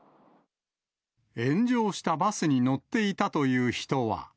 炎上したバスに乗っていたという人は。